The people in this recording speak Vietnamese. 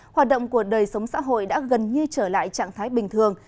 hoạt động của đời sống xã hội đã gần như trở lại trạng thái bình thường